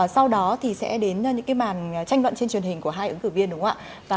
sau đó thì sẽ đến những cái màn tranh luận trên truyền hình của hai ứng cử viên đúng không ạ